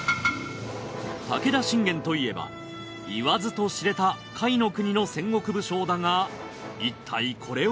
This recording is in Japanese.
武田信玄といえばいわずと知れた甲斐国の戦国武将だがいったいこれは？